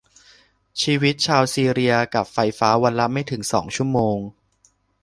ชีวิตชาวซีเรียกับไฟฟ้าวันละไม่ถึงสองชั่วโมง